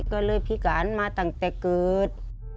ก็เลยพิการมาตั้งแต่เกิด